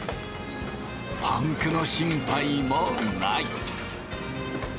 パンクの心配もない。